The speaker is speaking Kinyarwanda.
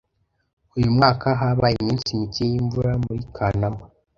Uyu mwaka habaye iminsi mike yimvura muri Kanama